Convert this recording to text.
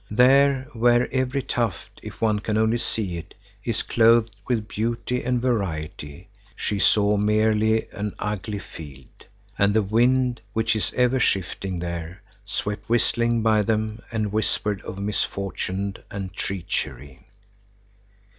There, where every tuft, if one can only see it, is clothed with beauty and variety, she saw merely an ugly field. And the wind, which is ever shifting there, swept whistling by them and whispered of misfortune and treachery.